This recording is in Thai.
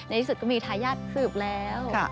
ในอินสตรก็มีทายาทสืบแล้ว